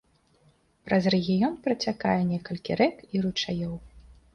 Праз рэгіён працякае некалькі рэк і ручаёў.